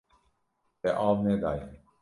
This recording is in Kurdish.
Te av nedaye.